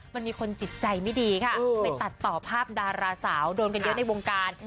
มันมีคนจิตใจไม่ดีค่ะไปตัดต่อภาพดาราสาวโดนกันเยอะในวงการ